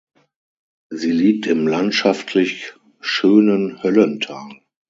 Sie liegt im landschaftlich schönen Höllental.